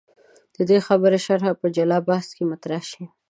د دې خبرې شرحه په جلا بحث کې مطرح شي.